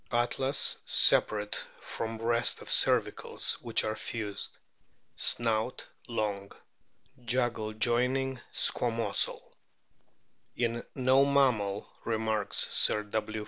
Atlas separate from rest of cervicals, which are fused. Snout long ; jugal joining squamosal. "In no mammal," remarks Sir W.